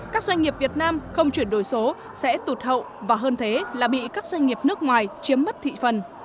các doanh nghiệp việt nam không chuyển đổi số sẽ tụt hậu và hơn thế là bị các doanh nghiệp nước ngoài chiếm mất thị phần